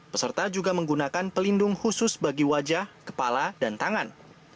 peserta juga menggunakan pelindung khusus bagi wajah kepala dan tangan